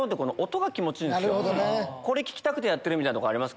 これ聞きたくてやってるみたいなとこあります。